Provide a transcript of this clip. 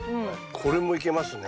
これもいけますね。